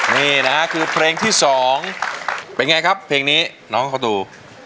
นี่นะฮะคือเพลงที่๒เป็นไงครับเพลงนี้น้องเขาดู